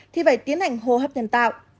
thì phải tiến hành hô hấp nhân tạo